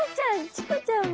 チコちゃんも。